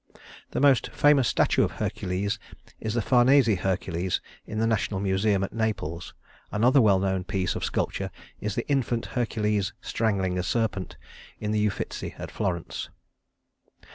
The most famous statue of Hercules is the Farnese Hercules in the National Museum at Naples. Another well known piece of sculpture is The Infant Hercules Strangling a Serpent, in the Uffizi at Florence.